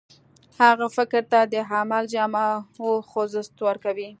هغه فکر ته د عمل جامه او خوځښت ورکوي.